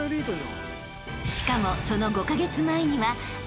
［しかもその５カ月前には］